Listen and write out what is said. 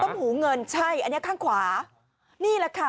หูเงินใช่อันนี้ข้างขวานี่แหละค่ะ